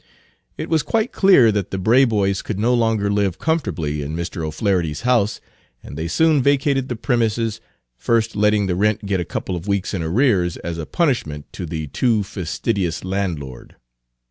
It was quite clear that the Braboys could not longer live comfortably in Mr. O'Flaherty's house, and they soon vacated the premises, first letting the rent get a couple of weeks in arrears as a punishment to the too fastidious landlord.